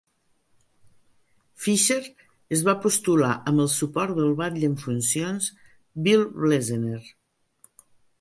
Fischer es va postular amb el suport del batlle en funcions Bill Blesener.